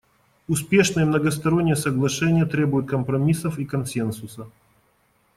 Успешные многосторонние соглашения требуют компромиссов и консенсуса.